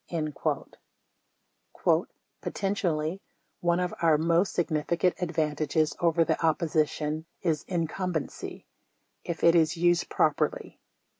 33 "Potentially, one of our most significant advantages over the opposition is incumbency — if it is used proper ly."